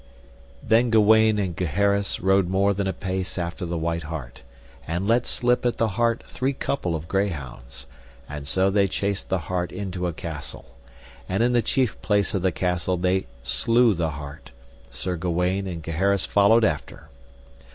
Then Gawaine and Gaheris rode more than a pace after the white hart, and let slip at the hart three couple of greyhounds, and so they chased the hart into a castle, and in the chief place of the castle they slew the hart; Sir Gawaine and Gaheris followed after.